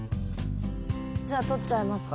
じゃあとっちゃいますね。